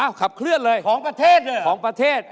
ฮะของประเทศเหรอของประเทศ